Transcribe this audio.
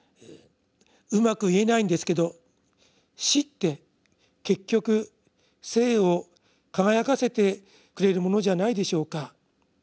「うまく言えないんですけど『死』って結局『生』を輝かせてくれるものじゃないでしょうか。